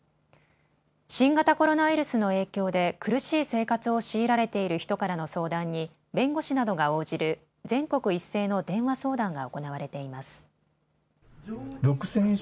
新型コロナウイルスの影響で苦しい生活を強いられている人からの相談に弁護士などが応じる全国一斉の電話相談が行われています。